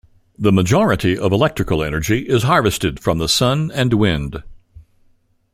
The majority of electrical energy is harvested from the sun and wind.